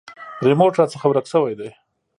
ریموټ راڅخه ورک شوی دی .